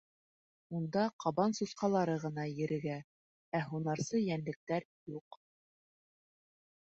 Унда ҡабан сусҡалары ғына ерегә, ә һунарсы йәнлектәр — юҡ.